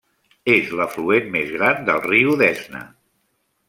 És l'afluent més gran del riu Desna.